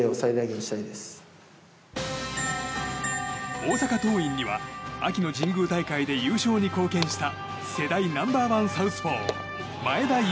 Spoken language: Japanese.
大阪桐蔭には秋の神宮大会で優勝に貢献した世代ナンバー１サウスポー前田悠